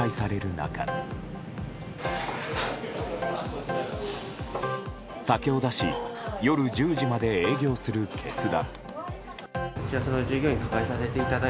中酒を出し夜１０時まで営業する決断。